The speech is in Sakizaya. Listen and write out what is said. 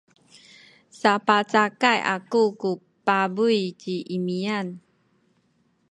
sapacakay aku ku pabuy ci Imian.